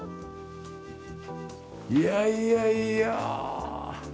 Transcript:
いやいやいや。